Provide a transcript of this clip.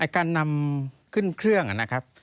การนำขึ้นเครื่องนะครับ